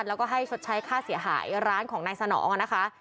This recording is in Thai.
แล้วก็ให้ชดใช้ค่าเสียหายร้านของนายสนองนะคะ